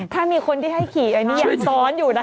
ถ้ามีคนที่ให้ขี่อันนี้ยังซ้อนอยู่นะคะ